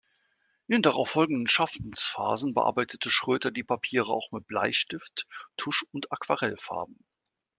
In darauf folgenden Schaffensphasen bearbeitete Schröter die Papiere auch mit Bleistift, Tusch- und Aquarellfarben.